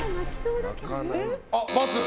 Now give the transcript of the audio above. あっ、×。